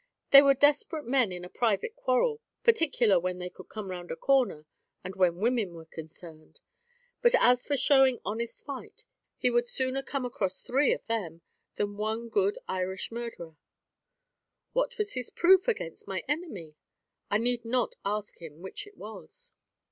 They were desperate men in a private quarrel, particular when they could come round a corner, and when women were concerned; but as for showing honest fight, he would sooner come across three of them, than one good Irish murderer." "What was his proof against my enemy? I need not ask him which it was."